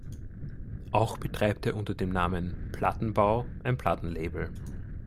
Auch betreibt er unter dem Namen "plattenbau" ein Plattenlabel.